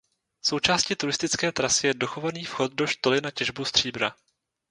Součástí turistické trasy je dochovaný vchod do štoly na těžbu stříbra.